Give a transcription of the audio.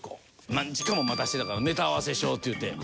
何時間も待たせてたからネタ合わせしようって言うて。